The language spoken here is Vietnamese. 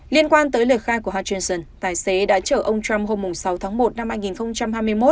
liên quan tới lời khai của hunson tài xế đã chở ông trump hôm sáu tháng một năm hai nghìn hai mươi một